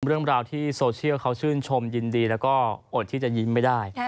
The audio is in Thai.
เรื่องราวที่โซเชียลเขาชื่นชมยินดีแล้วก็อดที่จะยิ้มไม่ได้